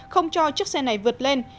không cho chiếc xe này vượt lên